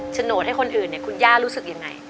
ขอบคุณครับ